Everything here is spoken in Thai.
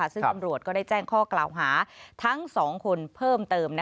ซึ่งตำรวจก็ได้แจ้งข้อกล่าวหาทั้ง๒คนเพิ่มเติม